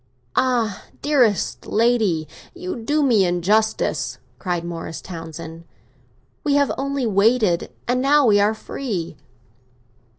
"Ah, dearest lady, you do me injustice!" cried Morris Townsend. "We have only waited, and now we are free."